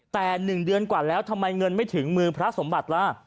แต่๑เดือนกว่าแล้วทำไมเงินไม่ถึงมือพระสมบัติล่ะ